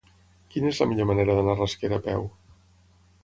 Quina és la millor manera d'anar a Rasquera a peu?